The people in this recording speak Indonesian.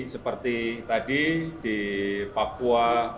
seperti tadi di papua